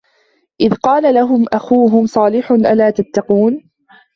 إِذ قالَ لَهُم أَخوهُم صالِحٌ أَلا تَتَّقونَ